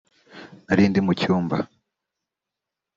nari ndi mu cyumba